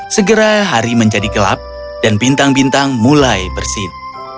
segera hari menjadi gelap dan bintang bintang mulai bersin